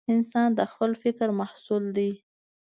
انسان د خپل فکر محصول دی.